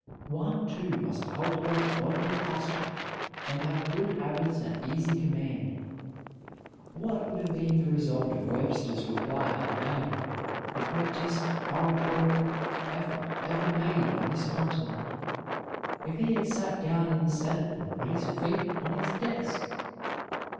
One, too, must cultivate bodily posture, and have good habits at easy command. What would have been the result of Webster's reply to Hayne, the greatest oratorical effort ever made on this continent, if he had sat down in the Senate and put his feet on his desk?